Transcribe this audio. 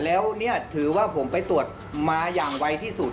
และผมถือว่าผมเป็นตัวมา่อย่างวัยที่สุด